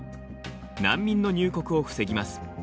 難民の入国を防ぎます。